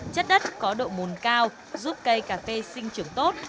chất đất có độ mùn cao giúp cây cà phê sinh trưởng tốt